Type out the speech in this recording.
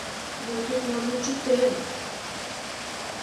Мый тудлан ончыктем!